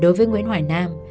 đối với nguyễn hoài nam